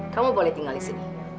kamu boleh tinggal di sini